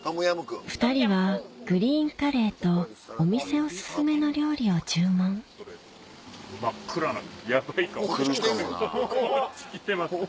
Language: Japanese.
２人はグリーンカレーとお店おすすめの料理を注文こっち来てるよ。